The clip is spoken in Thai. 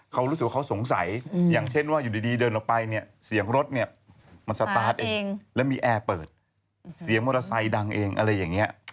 เขารู้สึกว่าเขาสงสัยอย่างเช่นว่าอยู่ดีเดินออกไปเนี่ยเสียงรถเนี่ยมันสตาร์ทเองแล้วมีแอร์เปิดเสียงมอเตอร์ไซค์ดังเองอะไรอย่างนี้